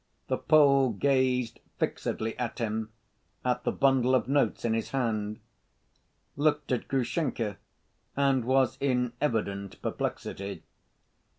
The Pole gazed fixedly at him, at the bundle of notes in his hand; looked at Grushenka, and was in evident perplexity.